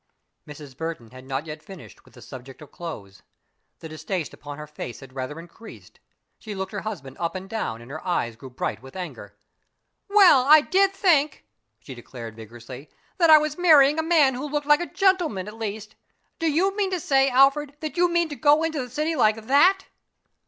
Mrs. Burton had not yet finished with the subject of clothes. The distaste upon her face had rather increased. She looked her husband up and down and her eyes grew bright with anger. "Well, I did think," she declared, vigorously, "that I was marrying a man who looked like a gentleman, at least! Do you mean to say, Alfred, that you mean to go into the city like that?"